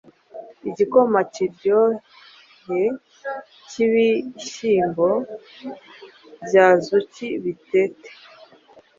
Igikoma kiryohye cyibihyimbo bya azuki bitete